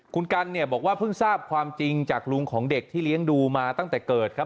คุณกันเนี่ยบอกว่าเพิ่งทราบความจริงจากลุงของเด็กที่เลี้ยงดูมาตั้งแต่เกิดครับ